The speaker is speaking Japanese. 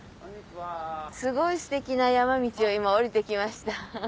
すごいステキな山道を今下りてきました。